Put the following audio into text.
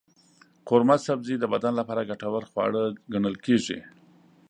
قورمه سبزي د بدن لپاره ګټور خواړه ګڼل کېږي.